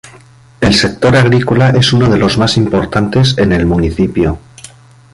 El sector agrícola es uno de los más importantes en el municipio.